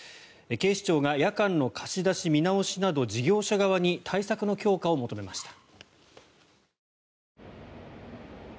警視庁が夜間の貸し出し見直しなど事業者側に対策の強化を求めました。